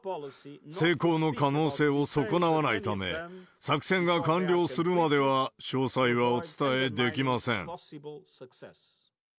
成功の可能性を損なわないため、作戦が完了するまでは詳細はお伝えできません。